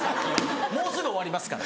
もうすぐ終わりますから。